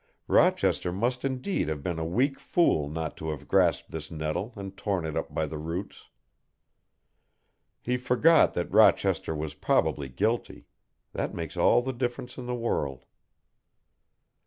Rochester must indeed have been a weak fool not to have grasped this nettle and torn it up by the roots. He forgot that Rochester was probably guilty that makes all the difference in the world.